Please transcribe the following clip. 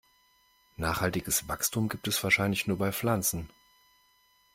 Nachhaltiges Wachstum gibt es wahrscheinlich nur bei Pflanzen.